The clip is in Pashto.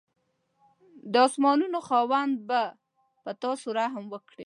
د اسمانانو خاوند به په تاسو رحم وکړي.